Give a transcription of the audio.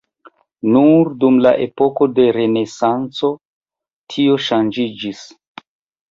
Nur dum la epoko de renesanco tio ŝanĝiĝis.